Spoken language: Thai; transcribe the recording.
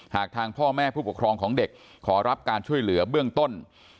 หากทางพ่อแม่ผู้ปกครองของเด็กขอรับการช่วยเหลือเบื้องต้น